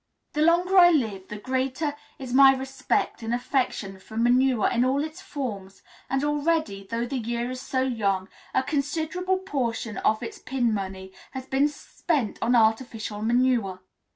The longer I live the greater is my respect and affection for manure in all its forms, and already, though the year is so young, a considerable portion of its pin money has been spent on artificial manure.